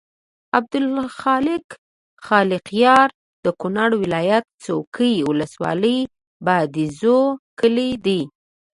عبدالخالق خالقیار د کونړ ولایت څوکۍ ولسوالۍ بادینزو کلي دی.